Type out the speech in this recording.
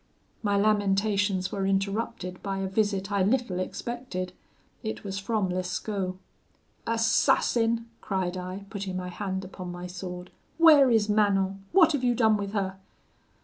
"My lamentations were interrupted by a visit I little expected; it was from Lescaut. 'Assassin!' cried I, putting my hand upon my sword, 'where is Manon? what have you done with her?'